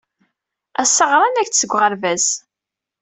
Ass-a ɣran-ak-d seg uɣerbaz.